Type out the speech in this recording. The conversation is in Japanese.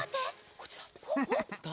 こっちだ！